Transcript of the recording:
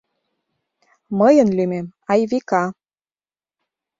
— Мыйын лӱмем Айвика.